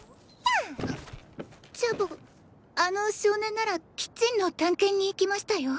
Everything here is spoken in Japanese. あチャボあの少年ならキッチンの探検に行きましたよ。